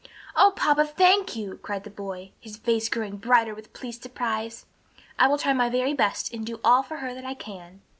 "O papa, thank you!" cried the boy, his face growing bright with pleased surprise. "I will try my very best and do all for her that I can."